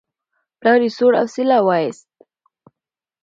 پلار یې سوړ اسویلی وایست.